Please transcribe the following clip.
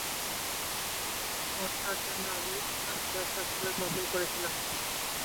পদটার জন্য আমিই আপনার স্বাক্ষরের নকল করেছিলাম।